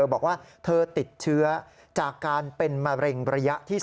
บอกว่าเธอติดเชื้อจากการเป็นมะเร็งระยะที่๓